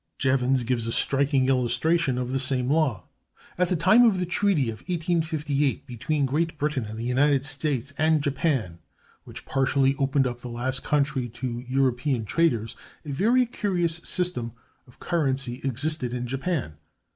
(234) Jevons gives a striking illustration of the same law: "At the time of the treaty of 1858 between Great Britain, the United States, and Japan, which partially opened up the last country to European traders, a very curious system of currency existed in Japan.